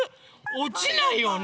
おちないよね。